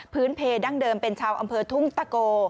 เพดั้งเดิมเป็นชาวอำเภอทุ่งตะโก